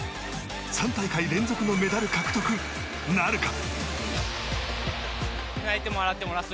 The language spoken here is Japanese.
３大会連続のメダル獲得なるか？